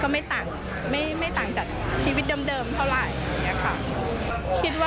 มันไม่ต่างจากชีวิตเดิมเท่าไหร่